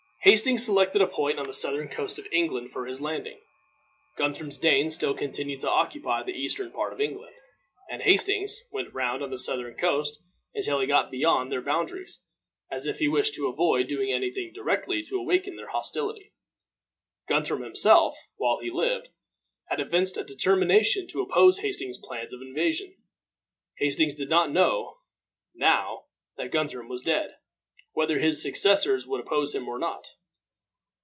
Hastings selected a point on the southern coast of England for his landing. Guthrum's Danes still continued to occupy the eastern part of England, and Hastings went round on the southern coast until he got beyond their boundaries, as if he wished to avoid doing any thing directly to awaken their hostility. Guthrum himself, while he lived, had evinced a determination to oppose Hastings's plans of invasion. Hastings did not know, now that Guthrum was dead, whether his successors would oppose him or not.